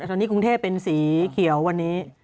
ตอนนี้กรุงเทพเป็นสีเขียววันนี้